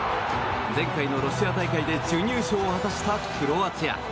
前回のロシア大会で準優勝を果たしたクロアチア。